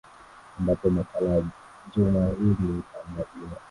ambapo makala ya juma hili itaangazia